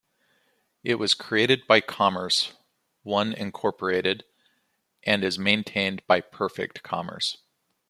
It was created by Commerce One Incorporated and is maintained by Perfect Commerce.